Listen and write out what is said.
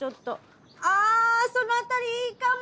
あその辺りいいかも！